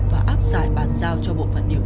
và áp giải bàn giao cho bộ phần điện